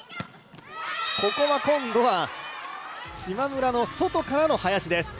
今度は島村の外からの林です。